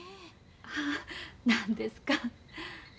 はあ何ですか。